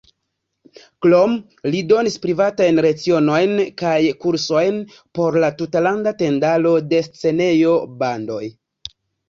Krome li donis privatajn lecionojn kaj kursojn por la Tutlanda Tendaro de Scenejo-Bandoj.